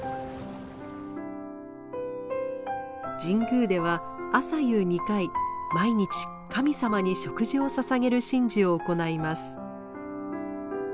神宮では朝夕２回毎日神様に食事をささげる神事を行います。